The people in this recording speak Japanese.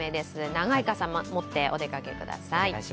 長い傘を持ってお出かけください。